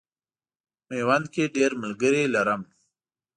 میوند کې ډېر ملګري لرم.